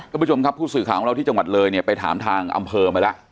คุณผู้ชมครับผู้สื่อข่าวของเราที่จังหวัดเลยเนี่ยไปถามทางอำเภอมาแล้ว